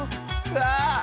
わあ！